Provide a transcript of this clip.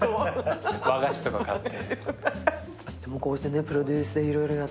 和菓子とか買って。